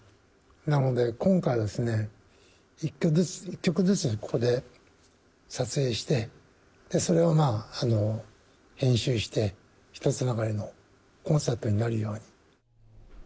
なので、今回はですね、１曲ずつね、ここで撮影して、それを編集して、ひとつながりのコンサートになるように。